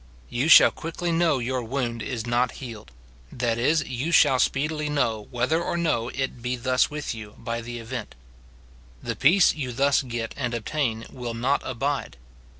You shall quickly know your wound is not healed ; that is, you shall speed ily know whether or no it be thus with you, by the event. The peace you thus get and obtain will not abide.